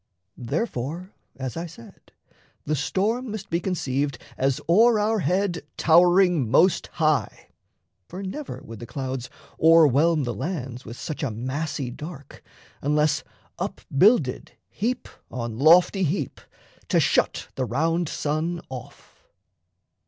Therefore, as I said, The storm must be conceived as o'er our head Towering most high; for never would the clouds O'erwhelm the lands with such a massy dark, Unless up builded heap on lofty heap, To shut the round sun off.